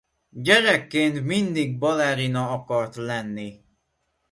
Gyerekként mindig balerina akart lenni.